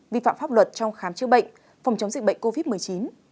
vi phạm pháp luật trong khám chữa bệnh phòng chống dịch bệnh covid một mươi chín